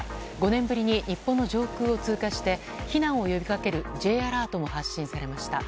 ５年ぶりに日本の上空を通過して避難を呼びかけるＪアラートも発信されました。